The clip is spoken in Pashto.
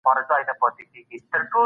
د ټولنې ستونزې باید حل سي.